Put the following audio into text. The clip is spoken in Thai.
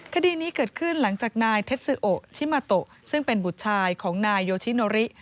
คดีนี้เกิดขึ้นหลังจากนายเท็จซิโอชิมาโตะซึ่งเป็นบุตรชายของนายโยชิโนริ